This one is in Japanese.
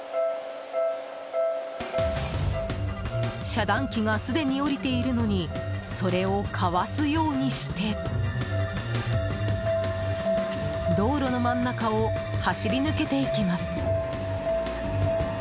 遮断機がすでに下りているのにそれをかわすようにして道路の真ん中を走り抜けていきます。